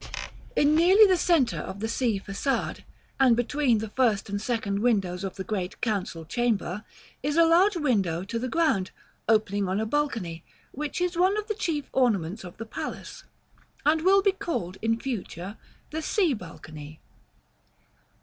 In nearly the centre of the Sea Façade, and between the first and second windows of the Great Council Chamber, is a large window to the ground, opening on a balcony, which is one of the chief ornaments of the palace, and will be called in future the "Sea Balcony."